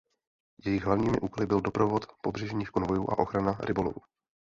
Jejich hlavními úkoly byl doprovod pobřežních konvojů a ochrana rybolovu.